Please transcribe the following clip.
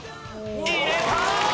入れた！